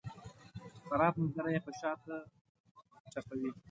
خراب ملګري یې په شاته ټپوي.